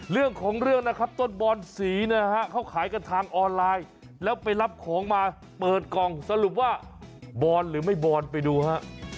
เรื่องของเรื่องนะครับต้นบอนสีนะฮะเขาขายกันทางออนไลน์แล้วไปรับของมาเปิดกล่องสรุปว่าบอนหรือไม่บอลไปดูฮะ